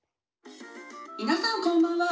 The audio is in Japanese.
「みなさんこんばんは。